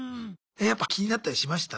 やっぱ気になったりしました？